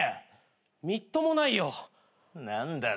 みっともないよ。